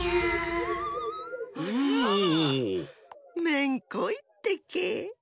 めんこいってけ。